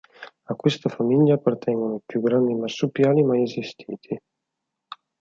A questa famiglia appartengono i più grandi marsupiali mai esistiti.